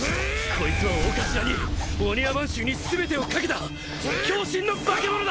こいつは御頭に御庭番衆に全てをかけた狂信の化け物だ！